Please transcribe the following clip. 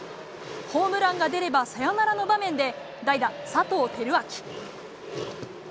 ホームランが出ればサヨナラの場面で代打、佐藤輝明。